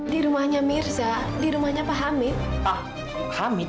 di rumahnya mirza di rumahnya pak hamid